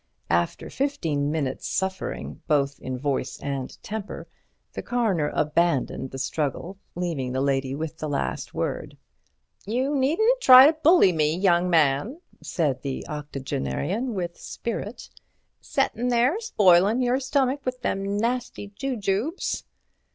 After fifteen minutes' suffering, both in voice and temper, the Coroner abandoned the struggle, leaving the lady with the last word. "You needn't try to bully me, young man," said that octogenarian with spirit, "settin' there spoilin' your stomach with them nasty jujubes."